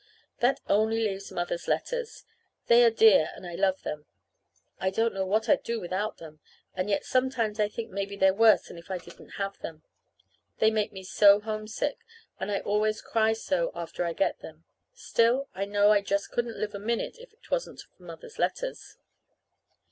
That leaves only Mother's letters. They are dear, and I love them. I don't know what I'd do without them. And yet, sometimes I think maybe they're worse than if I didn't have them. They make me so homesick, and I always cry so after I get them. Still, I know I just couldn't live a minute if 'twasn't for Mother's letters.